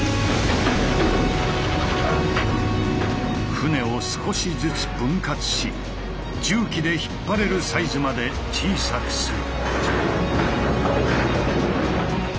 船を少しずつ分割し重機で引っ張れるサイズまで小さくする。